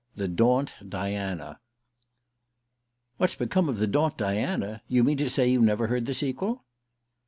THE DAUNT DIANA I "WHAT'S become of the Daunt Diana? You mean to say you never heard the sequel?"